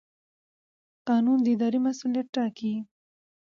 قانون د ادارې مسوولیت ټاکي.